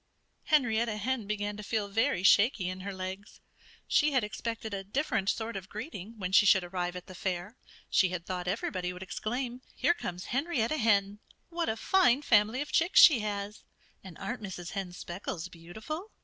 Henrietta Hen began to feel very shaky in her legs. She had expected a different sort of greeting, when she should arrive at the fair. She had thought everybody would exclaim, "Here comes Henrietta Hen! What a fine family of chicks she has! And aren't Mrs. Hen's speckles beautiful?"